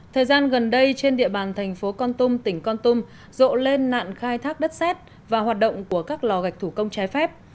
thời gian gần đây trên địa bàn thành phố con tum tỉnh con tum rộ lên nạn khai thác đất xét và hoạt động của các lò gạch thủ công trái phép